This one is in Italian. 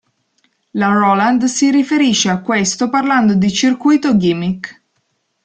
La Roland si riferisce a questo parlando di "circuito gimmick".